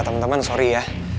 teman teman sorry ya